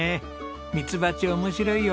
ミツバチ面白いよ！